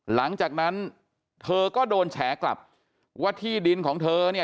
หลังจากนั้นเธอก็โดนแฉกลับว่าที่ดินของเธอเนี่ย